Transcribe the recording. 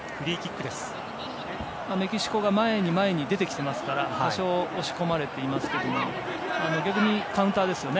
メキシコが前に前に出てきていますから多少、押し込まれていますが逆にカウンターですよね。